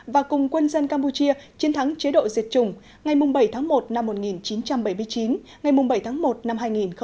và cùng quân dân campuchia chiến thắng chế độ diệt chủng ngày bảy tháng một năm một nghìn chín trăm bảy mươi chín ngày bảy tháng một năm hai nghìn một mươi chín